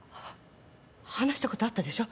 話したことあったでしょ？